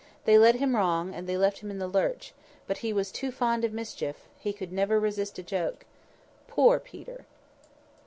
They led him wrong, and then left him in the lurch. But he was too fond of mischief. He could never resist a joke. Poor Peter!"